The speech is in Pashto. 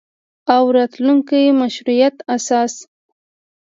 او راتلونکي مشروعیت اساس